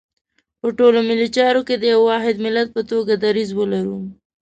په ټولو ملي چارو کې د یو واحد ملت په توګه دریځ ولرو.